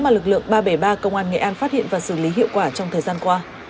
mà lực lượng ba trăm bảy mươi ba công an nghệ an phát hiện và xử lý hiệu quả trong thời gian qua